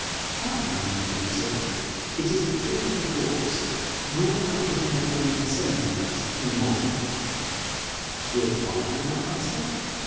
Hearken, my pretty sir: it is the tooth of a corpse, drawn after he hath lain a se'en night in the mould: wilt buy, my master?